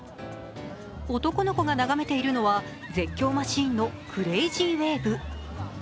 男の子が眺めているのは絶叫マシーンのクレイジー・ウェーブ。